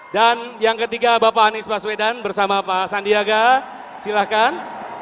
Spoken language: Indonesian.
dan yang ketiga bapak anies baswedan bersama pak sandiaga silakan